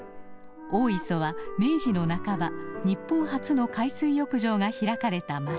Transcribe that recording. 大磯は明治の半ば日本初の海水浴場が開かれた町。